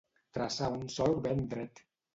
Traçar un solc ben dret.